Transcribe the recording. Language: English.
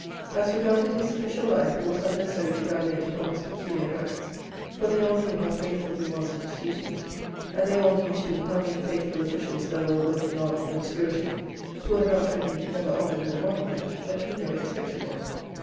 As regarded his official life, it was unnecessary to dilate upon his peculiar merits, for they all knew how faithful he was in his duties, and they all knew, too, how many faithful officials there were working on in obscurity, who were not only never honoured with a monument but who never expected one.